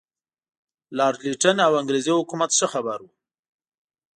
لارډ لیټن او انګریزي حکومت ښه خبر وو.